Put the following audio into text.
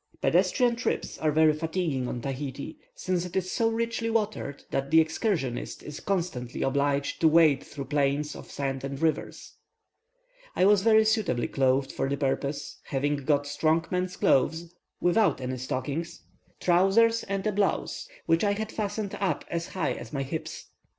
Pedestrian trips are very fatiguing in Tahiti, since it is so richly watered that the excursionist is constantly obliged to wade through plains of sand and rivers. I was very suitably clothed for the purpose, having got strong men's shoes, without any stockings, trousers, and a blouse, which I had fastened up as high as my hips.